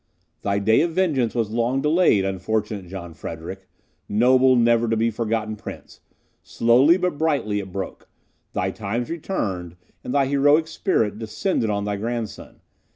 Thy day of vengeance was long delayed, unfortunate John Frederick! Noble! never to be forgotten prince! Slowly but brightly it broke. Thy times returned, and thy heroic spirit descended on thy grandson.